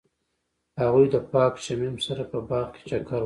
هغوی د پاک شمیم سره په باغ کې چکر وواهه.